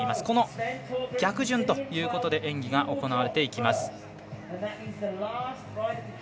この逆順ということで演技が行われていきます。